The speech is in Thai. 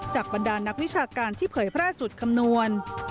บรรดานักวิชาการที่เผยแพร่สุดคำนวณ